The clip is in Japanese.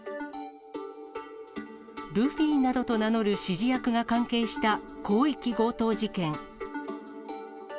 ルフィなどと名乗る指示役が関係した広域強盗事件。